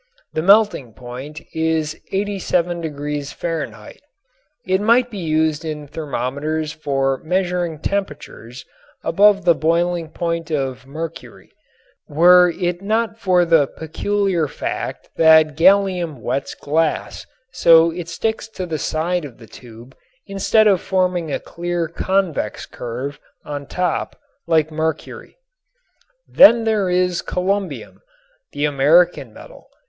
The melting point is 87° Fahr. It might be used in thermometers for measuring temperatures above the boiling point of mercury were it not for the peculiar fact that gallium wets glass so it sticks to the side of the tube instead of forming a clear convex curve on top like mercury. Then there is columbium, the American metal.